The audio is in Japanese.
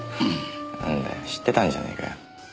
なんだよ知ってたんじゃねえかよ。